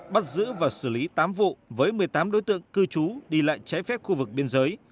bắt giữ và xử lý tám vụ với một mươi tám đối tượng cư trú đi lại trái phép khu vực biên giới